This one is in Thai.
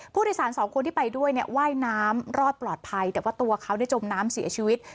ผู้อัีสานสองคนที่ไปด้วยเนี่ยว่ายน้ำรอดปลอดภัย